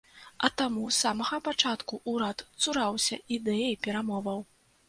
А таму з самага пачатку ўрад цураўся ідэі перамоваў.